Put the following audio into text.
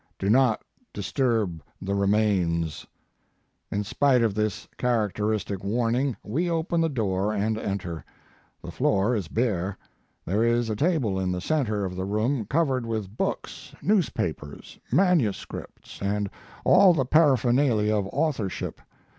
Do not Dis | turb the Remains ! "In spite of this characteristic warning we open the door and enter. The floor is bare. There is a table in the center of the room covered with books, news His Life and Work. papers, manuscripts and all the para phernalia of authorship.